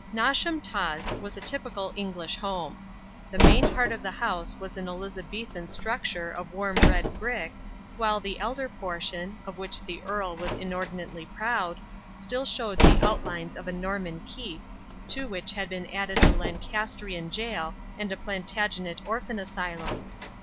Nosham Taws was a typical English home. The main part of the house was an Elizabethan structure of warm red brick, while the elder portion, of which the Earl was inordinately proud, still showed the outlines of a Norman Keep, to which had been added a Lancastrian Jail and a Plantagenet Orphan Asylum.